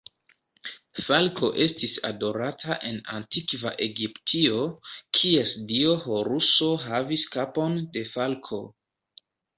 Falko estis adorata en antikva Egiptio, kies dio Horuso havis kapon de falko.